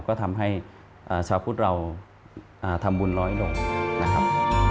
ก็ทำให้ชาวพุทธเราทำบุญน้อยลงนะครับ